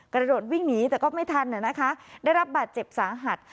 กระโดดวิ่งหนีแต่ก็ไม่ทันนะคะได้รับบาดเจ็บสาหัส